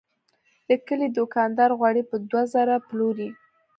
د کلي دوکاندار غوړي په دوه زره پلوري.